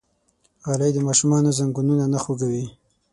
غالۍ د ماشومانو زنګونونه نه خوږوي.